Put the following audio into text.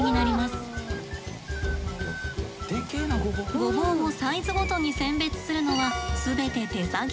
ごぼうをサイズごとに選別するのは全て手作業。